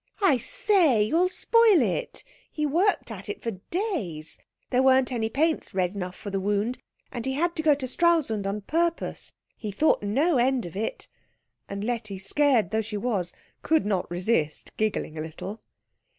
"I say, you'll spoil it. He worked at it for days. There weren't any paints red enough for the wound, and he had to go to Stralsund on purpose. He thought no end of it." And Letty, scared though she was, could not resist giggling a little.